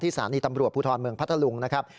สถานีตำรวจภูทรเมืองพัทธลุงนะครับ